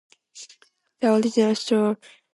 The original store has since been demolished.